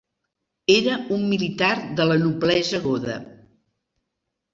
Era un militar de la noblesa goda.